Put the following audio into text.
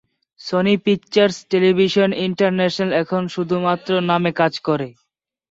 Sony Pictures television international এখন শুধুমাত্র নামে কাজ করে।